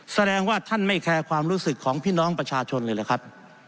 แสดงว่าท่านไม่แคร์ความรู้สึกของพี่น้องประชาชนเลยหรือครับ